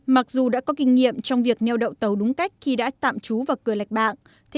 mặc dù đã có kinh nghiệm trong việc neo đậu tàu đúng cách